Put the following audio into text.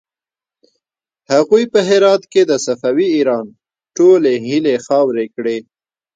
هغوی په هرات کې د صفوي ایران ټولې هيلې خاورې کړې.